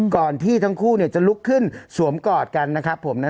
ก่อนที่ทั้งคู่จะลุกขึ้นสวมกอดกันนะครับผมนะ